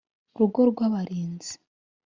Rugo rw Abarinzi